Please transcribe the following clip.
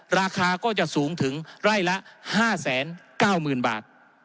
ราคาก็จะสูงถึงไร่ละ๕๙๐๐๐บาท